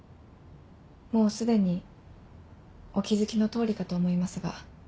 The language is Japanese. もう既にお気付きの通りかと思いますが。